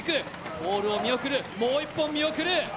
ポールを見送る、もう一本見送る。